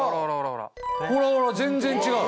ほらほら全然違う。